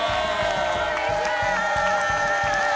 こんにちは！